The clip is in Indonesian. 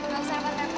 gak usah pak tepot